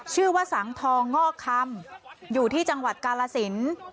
ชื่อว่าสังทองงอกคำอยู่ที่จังหวัดกาลสิน